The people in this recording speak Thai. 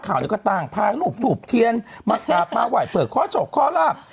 ข่าวนี้ก็ต่างพาลูกถูกเทียงมาตราพาวัยเปิดข้อสกข้อลาบ